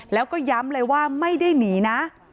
แล้วก็ย้ำเลยว่าไม่ได้หนีนะ